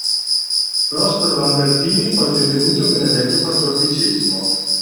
Prospero Lambertini, poi divenuto Benedetto XIV